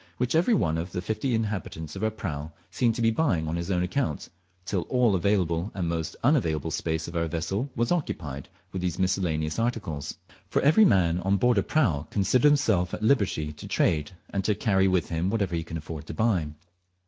which every one of the fifty inhabitants of our prau seemed to be buying on his own account, till all available and most unavailable space of our vessel was occupied with these miscellaneous articles: for every man on board a prau considers himself at liberty to trade, and to carry with him whatever he can afford to buy.